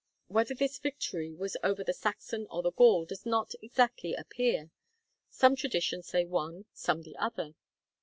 Whether this victory was over the Saxon or the Gaul does not exactly appear; some traditions say one, some the other.